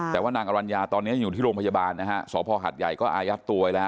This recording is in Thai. แต่ว่านางอรัญญาตอนนี้อยู่ที่โรงพยาบาลนะฮะสพหัดใหญ่ก็อายัดตัวไว้แล้ว